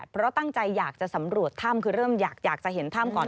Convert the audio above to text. เพราะตั้งใจอยากจะสำรวจถ้ำคือเริ่มอยากจะเห็นถ้ำก่อน